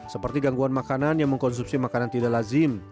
seperti gangguan makanan yang mengkonsumsi makanan tidak lazim